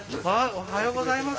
おはようございます。